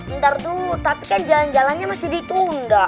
entar dulu tapi kan jalan jalannya masih di kunda